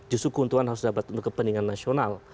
justru keuntungan harus dapat untuk kepentingan nasional